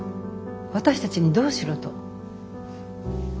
私たちにどうしろと？